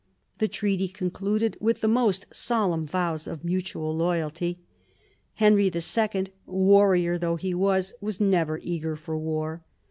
The treaty concluded with the most solemn vows of mutual loyalty. Henry II., warrior though he was, was never eager for war.